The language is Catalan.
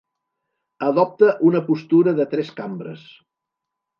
Adopta una postura de tres cambres.